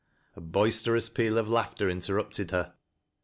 A boisterous peal of laughter interrupted her.